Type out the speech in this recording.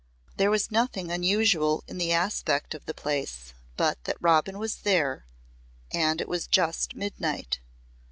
There was nothing unusual in the aspect of the place but that Robin was there and it was just midnight.